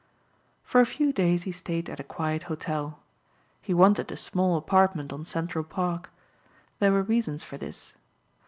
For a few days he stayed at a quiet hotel. He wanted a small apartment on Central Park. There were reasons for this.